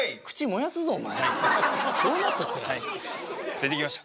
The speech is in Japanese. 出てきました。